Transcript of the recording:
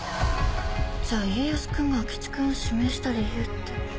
じゃあ家康君が明智君を指名した理由って。